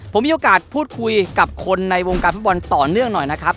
ผมมีโอกาสพูดคุยกับคนในวงการฟุตบอลต่อเนื่องหน่อยนะครับ